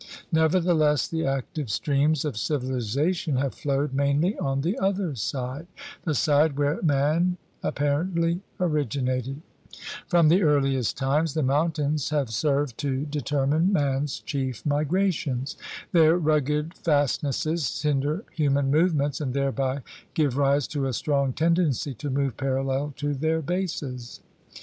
Nevertheless the active streams of civiliza Vion have flowed mainly on the other side — the side where man apparently originated. From the THE FORM OF THE CONTINENT 43 earliest times the mountains have served to deter mine man's chief migrations. Their rugged fast nesses hinder human movements and thereby give rise to a strong tendency to move parallel to their bases.